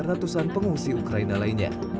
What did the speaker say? ratusan pengungsi ukraina lainnya